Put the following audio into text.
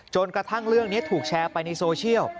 กระทั่งเรื่องนี้ถูกแชร์ไปในโซเชียล